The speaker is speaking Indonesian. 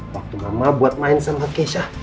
waktu mama buat main sama kesya